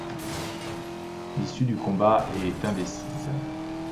L'issue du combat est indécise.